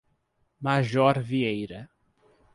Major Vieira